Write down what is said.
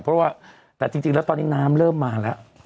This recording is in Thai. เพราะว่าแต่จริงแล้วตอนนี้น้ำเริ่มมาแล้ว